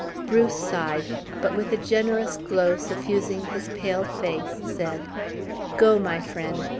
Bruce sighed; but with a generous glow suffusing his pale face, said: "Go, my friend!